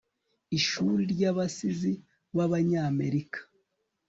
ishuri ry'abasizi b'abanyamerika